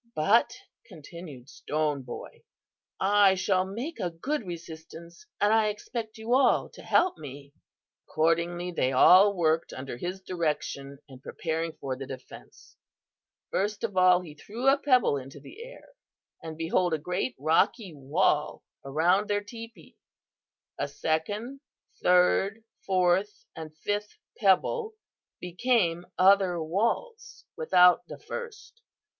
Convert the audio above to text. "'But,' continued Stone Boy, 'I shall make a good resistance, and I expect you all to help me.' "Accordingly they all worked under his direction in preparing for the defence. First of all, he threw a pebble into the air, and behold a great rocky wall around their teepee. A second, third, fourth and fifth pebble became other walls without the first.